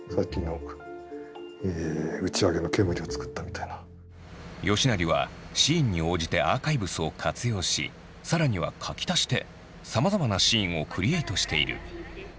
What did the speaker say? こういう吉成はシーンに応じてアーカイブスを活用しさらには描き足してさまざまなシーンをクリエイトしている。